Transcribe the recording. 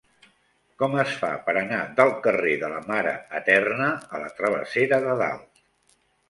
Com es fa per anar del carrer de la Mare Eterna a la travessera de Dalt?